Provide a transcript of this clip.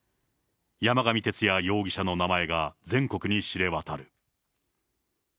山上徹也容疑者の名前が全国に知れ渡る。